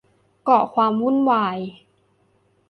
ก่อความวุ่นวาย